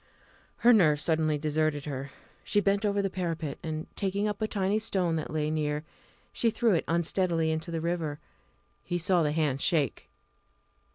Her nerve suddenly deserted her. She bent over the parapet, and, taking up a tiny stone that lay near, she threw it unsteadily into the river. He saw the hand shake.